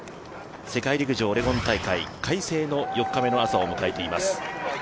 世界陸上オレゴン大会、快晴の４日目の朝を迎えています。